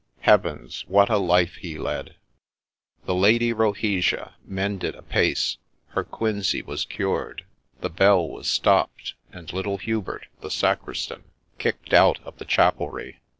— Heavens, what a life he led ! The Lady Rohesia mended apace ; her quinsy was cured ; the bell was stopped ; and little Hubert, the sacristan, kicked out of the chapelry.